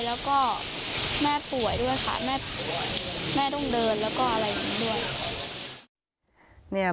แล้วก็แม่ป่วยด้วยค่ะแม่ป่วยแม่ต้องเดินแล้วก็อะไรอย่างนี้ด้วย